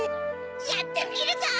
やってみるゾウ！